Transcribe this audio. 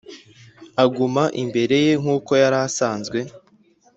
aguma imbere ye nk’uko yari asanzwe.